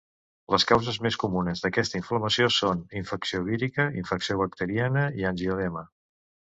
Les causes més comunes d'aquesta inflamació són: infecció vírica, infecció bacteriana i angioedema.